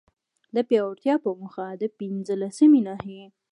د پياوړتيا په موخه، د پنځلسمي ناحيي